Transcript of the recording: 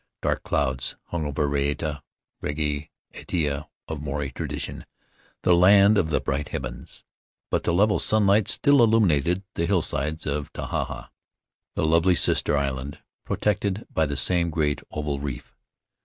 Dark clouds hung over Raiatea — Rangi Atea of Maori tradition, the Land of the Bright Heavens — but the level sunlight still illuminated the hillsides of Tahaa, the lovely sister island, protected by the same great oval reef.